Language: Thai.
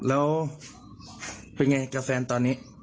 เป็นอย่างไรกับแฟนตอนนี้